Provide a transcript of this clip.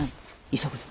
急ぐぞ！